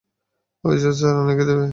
অবশ্যই স্যার, উনাকেই দেব।